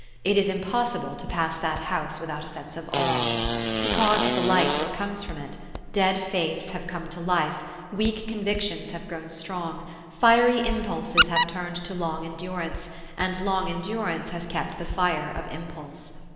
It is impossible to pass that house without a sense of awe. Because of the light that comes from it, dead faiths have come to life, weak convictions have grown strong, fiery impulses have turned to long endurance, and long endurance has kept the fire of impulse.